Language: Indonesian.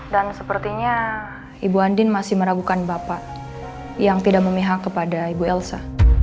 dan sepertinya ibu andin masih meragukan bapak yang tidak memihak kepada ibu elsa